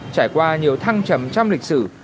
trải qua nhiều thăng trầm trong lịch sử